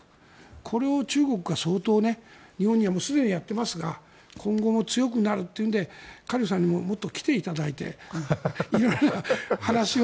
これを中国が相当日本にはすでにやっていますが今後も強くなるというのでカ・リュウさんにももっと来ていただいて色々な話を。